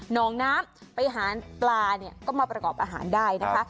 น้องน้ำไปหาปลาเนี่ยก็มาประกอบอาหารได้นะคะ